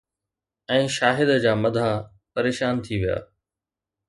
۽ شاهد جا مداح پريشان ٿي ويا.